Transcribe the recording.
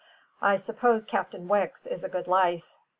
I suppose Captain Wicks is a good life.